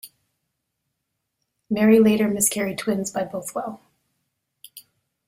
Mary later miscarried twins by Bothwell.